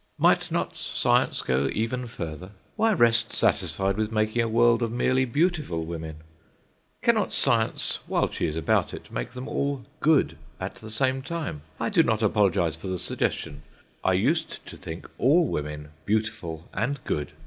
Might not Science go even further? Why rest satisfied with making a world of merely beautiful women? Cannot Science, while she is about it, make them all good at the same time. I do not apologise for the suggestion. I used to think all women beautiful and good.